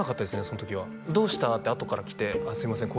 その時は「どうした？」ってあとから来て「あっすいません」